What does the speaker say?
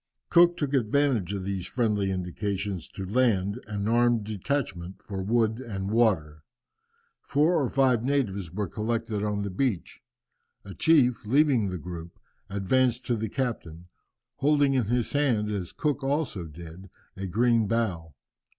Cook took advantage of these friendly indications to land an armed detachment for wood and water. Four or five natives were collected on the beach. A chief, leaving the group, advanced to the captain, holding in his hand, as Cook also did, a green bough.